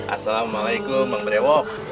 assalamualaikum bang brewok